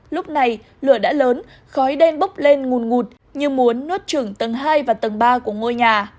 lúc này lửa đã lớn khói đen bốc lên nguồn ngụt như muốn nốt trưởng tầng hai và tầng ba của ngôi nhà